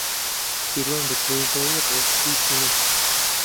سیروان بەدرێژایی ڕۆژ هیچی نەکرد.